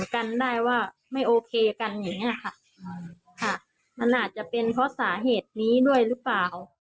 ค่ะมันอาจจะเป็นเพราะสาเหตุนี้ด้วยหรือเปล่า